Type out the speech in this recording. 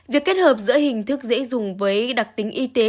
việc kết hợp giữa hình thức dễ dùng với đặc tính y tế